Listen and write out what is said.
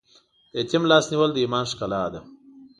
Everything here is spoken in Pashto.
د یتیم لاس نیول د ایمان ښکلا ده.